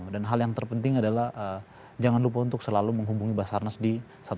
dan hal yang terpenting adalah jangan lupa untuk selalu menghubungi basarnas di satu ratus lima belas